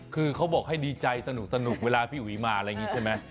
คือเขาบอกให้ดีใจสนุกเวลาพี่อุ๋ยมาอะไรอย่างนี้ใช่ไหม